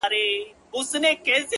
• کمزوری سوئ يمه؛ څه رنگه دي ياده کړمه؛